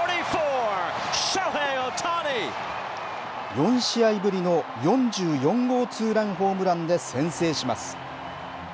４試合ぶりの４４号ツーランホームランで先制します。